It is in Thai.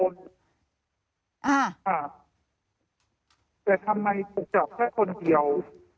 แต่ทำไมถูกจับแค่คนเดียว